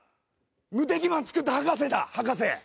無敵マンつくった博士だ博士。